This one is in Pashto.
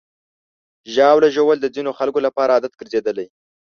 ژاوله ژوول د ځینو خلکو لپاره عادت ګرځېدلی.